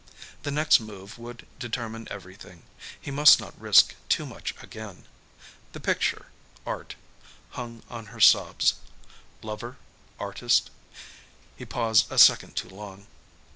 The next move would determine everything. He must not risk too much, again. The picture art hung on her sobs. Lover artist? He paused a second too long.